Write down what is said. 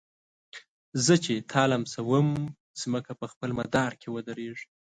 زه چي تا لمسوم مځکه په خپل مدار کي ودريږي